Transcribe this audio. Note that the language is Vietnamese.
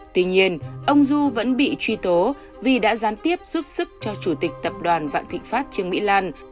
tuy nhiên ông du vẫn bị truy tố vì đã gián tiếp giúp sức cho chủ tịch tập đoàn vạn thịnh pháp trương mỹ lan